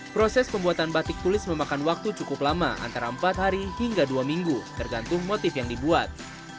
proses pembuatan batik tulis memakan waktu cukup lama antara empat hari hingga dua minggu tergantung motif yang dibuat